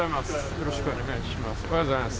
よろしくお願いします。